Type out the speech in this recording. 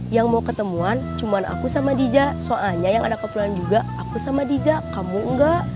yang mau ketemuan cuma aku sama diza soalnya yang ada keperluan juga aku sama diza kamu enggak